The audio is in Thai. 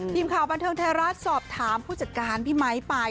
ทีมข่าวบันเทิงไทยรัฐสอบถามผู้จัดการพี่ไมค์ไป